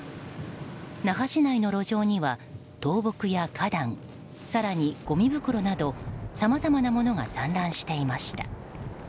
那覇市内の路上には倒木や花壇更に、ごみ袋などさまざまなものが散乱していました。